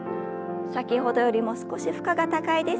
先ほどよりも少し負荷が高いです。